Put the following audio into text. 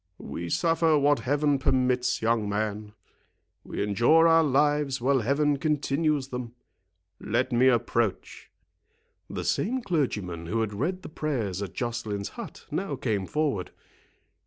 "We suffer what Heaven permits, young man; we endure our lives while Heaven continues them. Let me approach." The same clergyman who had read the prayers at Joceline's hut now came forward.